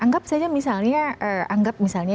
anggap saja misalnya